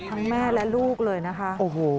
แม่และลูกเลยนะคะโอ้โห